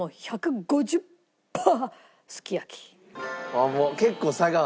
ああもう結構差がある。